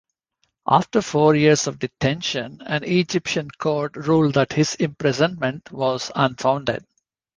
After four years of detention, an Egyptian court ruled that his imprisonment was unfounded.